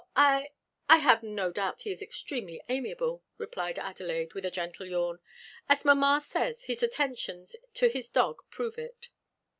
I I have no doubt he is extremely amiable," replied Adelaide, with a gentle yawn. "As mamma says, his attentions to his dog prove it."